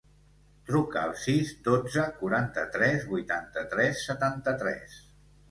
Truca al sis, dotze, quaranta-tres, vuitanta-tres, setanta-tres.